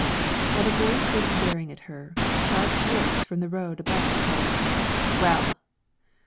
While the boy stood staring at her, a sharp voice from the road above called, "Well!"